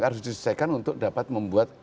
harus diselesaikan untuk dapat membuat